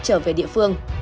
trở về địa phương